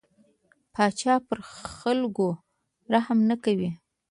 پاچا پر خلکو رحم نه کوي.